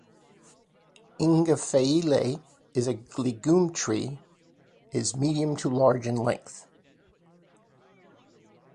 "Inga feuilleei" is a legume tree that is medium to large in length.